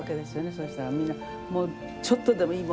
そしたらみんなちょっとでもいいもの